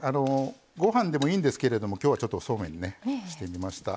ご飯でもいいんですけどきょうは、ちょっとそうめんにしてみました。